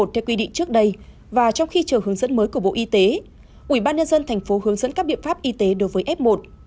theo quy định trước đây và trong khi chờ hướng dẫn mới của bộ y tế ubnd tp hướng dẫn các biện pháp y tế đối với f một